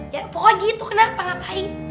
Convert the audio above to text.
ya pokoknya gitu kenapa ngapain